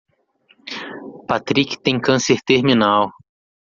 Patrick tem câncer terminal.